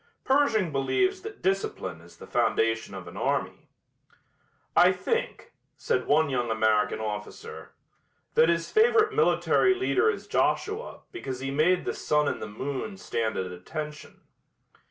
Pershing believes that discipline is the foundation of an army. "I think," said one young American officer, "that his favorite military leader is Joshua because he made the sun and the moon stand at attention."